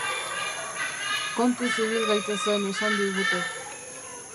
Kontuz ibil gaitezen esan digute.